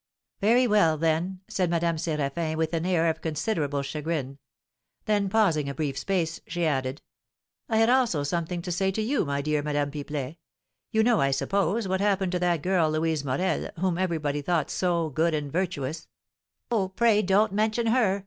"Very well, then," said Madame Séraphin, with an air of considerable chagrin. Then, pausing a brief space, she added, "I had also something to say to you, my dear Madame Pipelet. You know, I suppose, what happened to that girl, Louise Morel, whom everybody thought so good and virtuous " "Oh, pray don't mention her!"